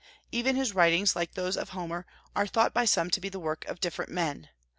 Even his writings, like those of Homer, are thought by some to be the work of different men.